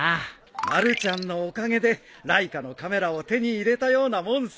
まるちゃんのおかげでライカのカメラを手に入れたようなもんさ。